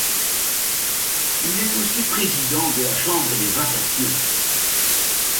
Il est aussi Président de la Chambre des Vacations.